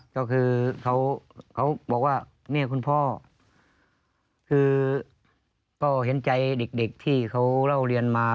ก็คือเขาบอกว่าเนี่ยคุณพ่อคือก็เห็นใจเด็กที่เขาเล่าเรียนมา